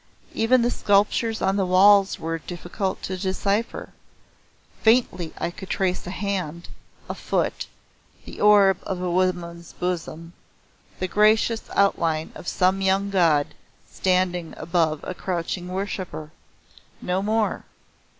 Even the sculptures on the walls were difficult to decipher. Faintly I could trace a hand, a foot, the orb of a woman's bosom, the gracious outline of some young God, standing above a crouching worshipper. No more.